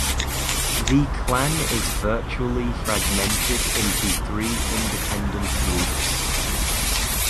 The clan is virtually fragmented into three independent groups.